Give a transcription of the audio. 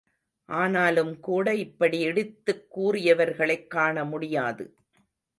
ஆனாலும்கூட இப்படி இடித்துக் கூறியவர்களைக் காணமுடியாது.